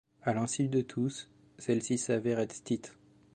À l'insu de tous, celle-ci s'avère être Stites.